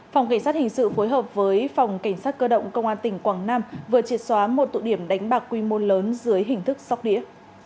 phòng cảnh sát hình sự phối hợp với phòng cảnh sát cơ động công an tỉnh quảng nam vừa triệt xóa một tụ điểm đánh bạc quy mô lớn dưới hình thức sóc đĩa